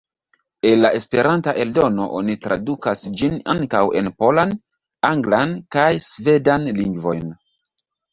El la Esperanta eldono oni tradukas ĝin ankaŭ en polan, anglan kaj svedan lingvojn.